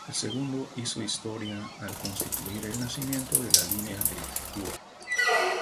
El segundo hizo historia al constituir el nacimiento de la Línea del Tua.